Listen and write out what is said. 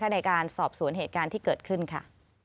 ในการสอบสวนเหตุการณ์ที่เกิดขึ้นค่ะ